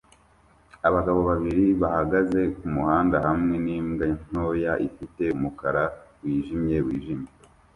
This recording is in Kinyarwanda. Abagabo babiri bahagaze kumuhanda hamwe nimbwa ntoya ifite umukara wijimye wijimye